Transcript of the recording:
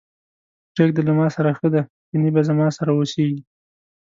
پرېږده له ماسره ښه دی، چينی به زما سره اوسېږي.